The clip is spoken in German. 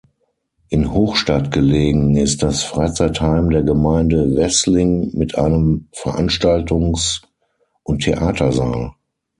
In Hochstadt gelegen ist das Freizeitheim der Gemeinde Weßling mit einem Veranstaltungs- und Theatersaal.